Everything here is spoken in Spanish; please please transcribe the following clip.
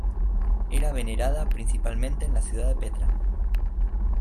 Era venerada principalmente en la ciudad de Petra.